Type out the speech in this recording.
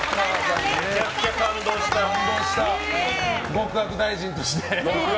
極悪大臣として。